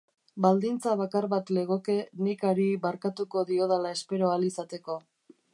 Baldintza bakar bat legoke nik hari barkatuko diodala espero ahal izateko.